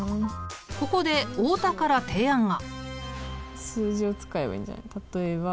ここで太田から提案が。